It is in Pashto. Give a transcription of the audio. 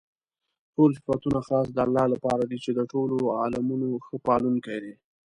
ټول صفتونه خاص د الله لپاره دي چې د ټولو عالَمونو ښه پالونكى دی.